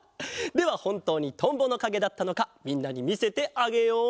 ではほんとうにトンボのかげだったのかみんなにみせてあげよう！